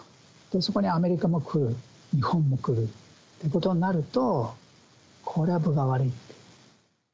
そこにアメリカも来る、日本も来るということになると、これは分が悪いと。